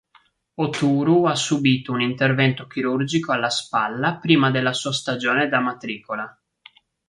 Oturu ha subito un intervento chirurgico alla spalla prima della sua stagione da matricola.